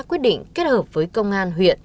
quyết định kết hợp với công an huyện